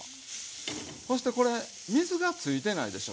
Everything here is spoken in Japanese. そしてこれ水がついてないでしょ。